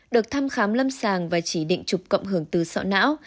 được thăm khám lâm sàng và chỉ định chụp cộng hưởng từ sọ não